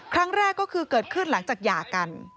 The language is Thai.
แรกก็คือเกิดขึ้นหลังจากหย่ากัน